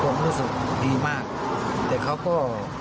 เพราะไม่เคยถามลูกสาวนะว่าไปทำธุรกิจแบบไหนอะไรยังไง